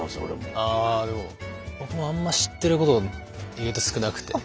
僕もあんま知ってること意外と少なくて。